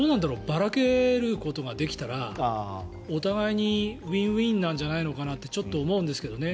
ばらけることができたらお互いにウィンウィンなんじゃないのかなとちょっと思うんですけどね。